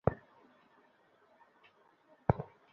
রেহান, আমি জানি না, তুমি ওখানে গিয়ে বসো।